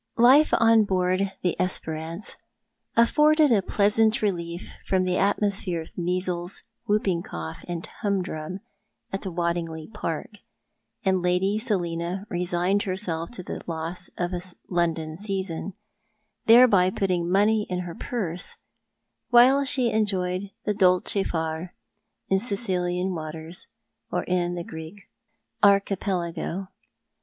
Life on board the Fsperance afforded a pleasant relief from the atmosphere of measles, whooping cough, and humdrum at Waddingly Park, and Lady Selina resigned herself to the loss of a London season, — thereby putting money in her purse — while she enjoyed the dolce far in Sicilian waters, or in the Greek Archipelago.